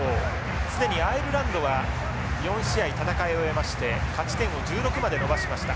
既にアイルランドは４試合戦い終えまして勝ち点を１６まで伸ばしました。